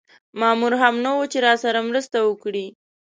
مامور هم نه و چې راسره مرسته وکړي.